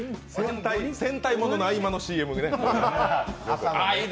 戦隊ものの合間のＣＭにね。